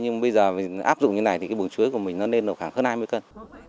nhưng bây giờ áp dụng như thế này thì cái buồng chuối của mình nó lên khoảng hơn hai mươi cân